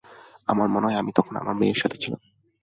আমার মনে হয়, আমি তখন আমার মেয়ের সাথে ছিলাম।